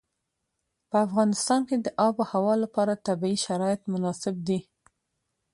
په افغانستان کې د آب وهوا لپاره طبیعي شرایط مناسب دي.